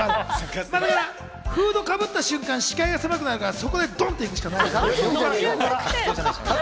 フードかぶった瞬間、視界が狭くなるから、そこでドンっと行くしかない。